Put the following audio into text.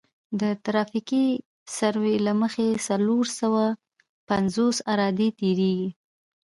د ترافیکي سروې له مخې څلور سوه پنځوس عرادې تیریږي